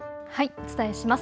お伝えします。